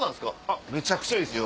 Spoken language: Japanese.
めちゃくちゃいいっすよ。